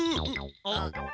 あっ。